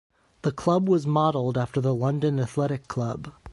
The club was modeled after the London Athletic Club.